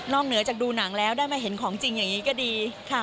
เหนือจากดูหนังแล้วได้มาเห็นของจริงอย่างนี้ก็ดีค่ะ